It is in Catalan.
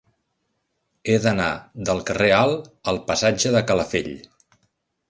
He d'anar del carrer Alt al passatge de Calafell.